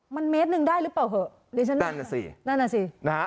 มันเมตรหนึ่งได้หรือเปล่าเหอะดิฉันนั่นน่ะสินั่นน่ะสินะฮะ